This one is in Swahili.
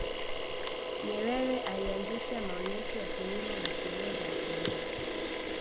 nyerere alianzisha maonesho ya kilimo na sherehe za wakulima